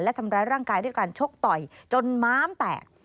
และทำร้ายร่างกายด้วยการชกต่อยจนม้ามแตก